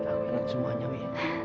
aku ingat semuanya wi